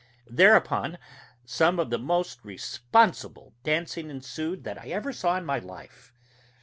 Thereupon, some of the most responsible dancing ensued that I ever saw in my life.